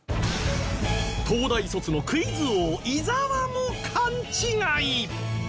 東大卒のクイズ王伊沢も勘違い！？